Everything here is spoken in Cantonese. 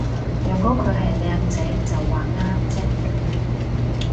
若果佢係靚仔就話啱啫